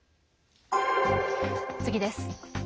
次です。